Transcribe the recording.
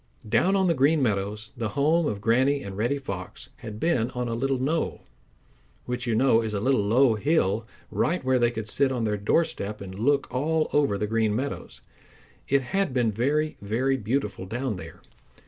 Down on the Green Meadows, the home of Granny and Reddy Fox had been on a little knoll, which you know is a little low hill, right where they could sit on their doorstep and look all over the Green Meadows. It had been very, very beautiful down there.